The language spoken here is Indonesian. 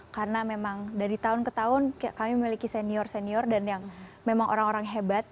karena memang dari tahun ke tahun kami memiliki senior senior dan yang memang orang orang hebat